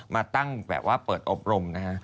มาตั้งแบบว่าเปิดอบรมนะฮะ